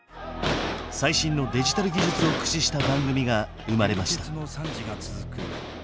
最新のデジタル技術を駆使した番組が生まれました。